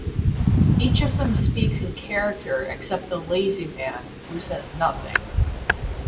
Each of them speaks in character, except the Lazy Man, who says nothing.